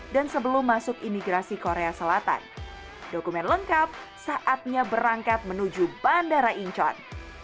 dan sebelum masuk imigrasi korea selatan dokumen lengkap saatnya berangkat menuju bandara incheon